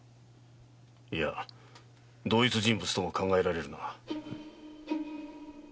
いや同一人物とも考えられるな。